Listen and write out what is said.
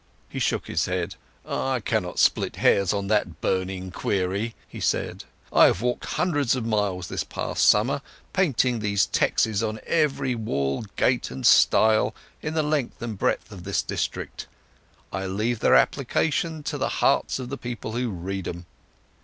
He shook his head. "I cannot split hairs on that burning query," he said. "I have walked hundreds of miles this past summer, painting these texes on every wall, gate, and stile the length and breadth of this district. I leave their application to the hearts of the people who read 'em."